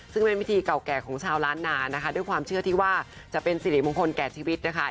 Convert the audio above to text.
ซึ่งเป็นพิธีเก่าแก่ของชาวล้านนานะคะด้วยความเชื่อที่ว่าจะเป็นสิริมงคลแก่ชีวิตนะคะ